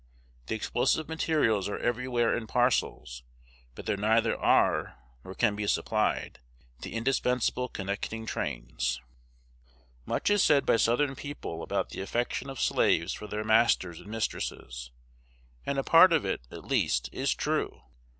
The explosive materials are everywhere in parcels; but there neither are, nor can be supplied, the indispensable connecting trains. Much is said by Southern people about the affection of slaves for their masters and mistresses; and a part of it, at least, is true.